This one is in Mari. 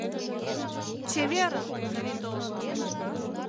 Чеверын, Каритон!